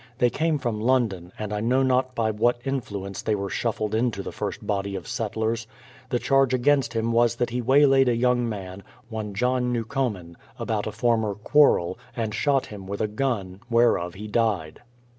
They came from London, and I know not by what influence they were shuffled into the first body of settlers. The charge against him was that he waylaid a young man, one John Newcomin, about a former quarrel, and shot him with a gun, whereof he died.